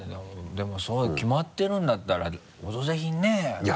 でも決まってるんだったら「オドぜひ」にねぇ来たら。